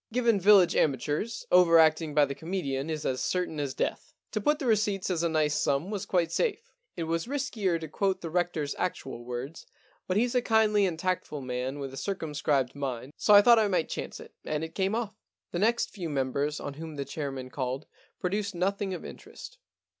Given village amateurs, over acting by the comedian is as certain as death. To put the receipts as a nice sum was quite safe. It was riskier to quote the Rector's actual words, but he's a kindly and tactful man with a circumscribed mind, so I thought I might chance it, and it came off.' The next few members on whom the chair man called produced nothing of interest.